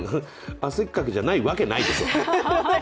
汗っかきじゃないわけないでしょ。